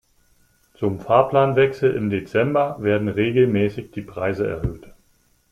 Zum Fahrplanwechsel im Dezember werden regelmäßig die Preise erhöht.